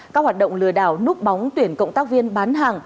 các hoạt động lừa đảo núp bóng tuyển cộng tác viên bán hàng